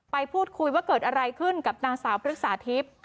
ไปพูดคุยว่าเกิดอะไรขึ้นกับนางสาวพฤกษาทิพย์